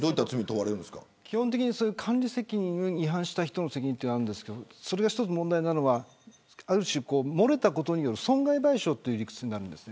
基本的に管理責任に違反した人の責任というのがあるんですがそれが一つ問題なのは、ある種漏れたことによる損害賠償という理屈になるんです。